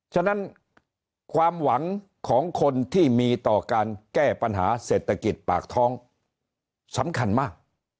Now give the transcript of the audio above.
ฉะนั้นความหวังของคนที่มีต่อการแก้ปัญหาเศรษฐกิจปากท้องสำคัญมาก